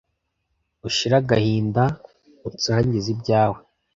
Ushire agahinda unsangize ibyawe